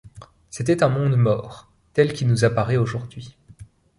C’était un monde mort, tel qu’il nous apparaît aujourd’hui.